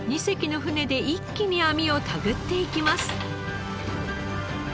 ２隻の船で一気に網を手繰っていきます。